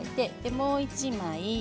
もう１枚。